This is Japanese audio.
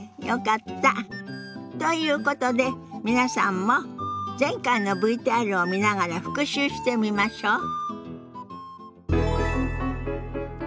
よかった。ということで皆さんも前回のＶＴＲを見ながら復習してみましょ。